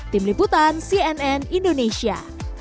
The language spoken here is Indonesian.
tim liputan cnn indonesia